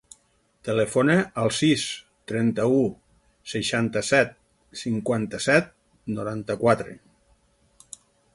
Telefona al sis, trenta-u, seixanta-set, cinquanta-set, noranta-quatre.